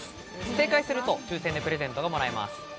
正解すると抽選でプレゼントがもらえます。